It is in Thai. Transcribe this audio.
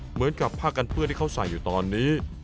เหมือนกับผ้ากันเปื้อนที่เขาใส่อยู่ตอนนี้